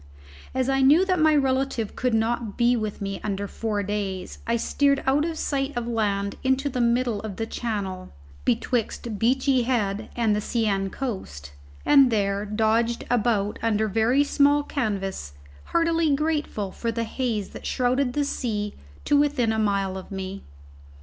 As I knew that my relative could not be with me under four days, I steered out of sight of land into the middle of the Channel, betwixt Beachy Head and the Seine coast, and there dodged about under very small canvas, heartily grateful for the haze that shrouded the sea to within a mile of me.